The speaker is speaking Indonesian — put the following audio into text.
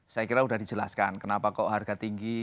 saya kira sudah dijelaskan kenapa kok harga tinggi